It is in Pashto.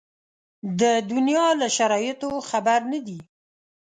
د دنیا له شرایطو خبر نه دي.